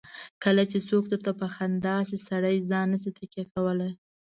کله چې څوک درته په خندا شي سړی ځان نه شي تکیه کولای.